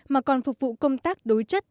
mà còn phục vụ công tác đối chất